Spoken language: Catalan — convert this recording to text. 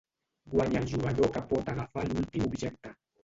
Guanya el jugador que pot agafar l'últim objecte.